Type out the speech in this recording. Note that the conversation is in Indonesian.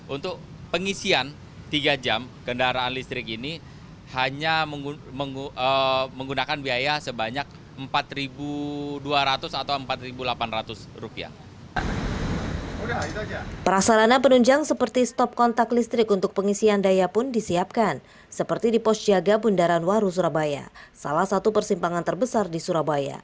untuk pengisian tiga jam kendaraan listrik ini hanya menggunakan biaya sebanyak rp empat dua ratus atau rp empat delapan ratus